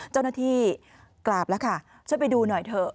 เจ้าหน้าที่กราบแล้วค่ะช่วยไปดูหน่อยเถอะ